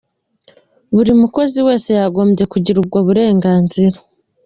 Buri mukozi wese yagombye kugira ubwo burenganzira.